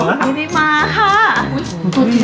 ไม่ได้มาค่ะอุ้ยหนูโทดทีมเหรอ